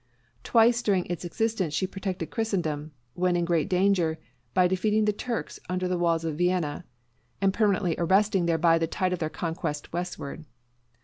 Twice during its existence she protected Christendom, when in great danger, by defeating the Turks under the walls of Vienna, and permanently arresting thereby the tide of their conquests westward.